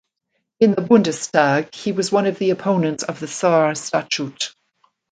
In the Bundestag he was one of the opponents of the Saar Statute.